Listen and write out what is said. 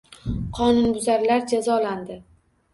Qonunbuzarlar jazolandi